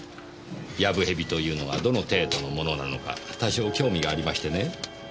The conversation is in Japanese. やぶへびというのはどの程度のものなのか多少興味がありましてね。